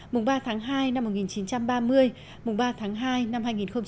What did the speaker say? mùng ba tháng hai năm một nghìn chín trăm ba mươi mùng ba tháng hai năm hai nghìn hai mươi